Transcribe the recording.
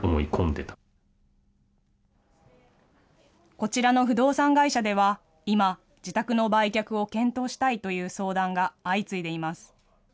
こちらの不動産会社では、今、自宅の売却を検討したいという相談が相次いでいます。